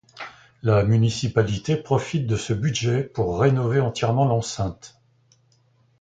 La municipalité profite de ce budget pour rénover entièrement l'enceinte.